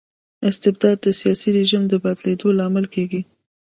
استبداد د سياسي رژيم د بدلیدو لامل کيږي.